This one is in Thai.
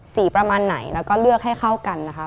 ประมาณไหนแล้วก็เลือกให้เข้ากันนะคะ